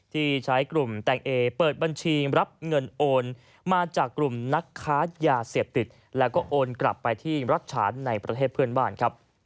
ที่ใช้กลุ่มแตงเอเปิดบัญชีรับเงินโอนมาจากกลุ่มนักค้ายาเสพติดแล้วก็โอนกลับไปที่รัฐฉานในประเทศเพื่อนบ้านครับ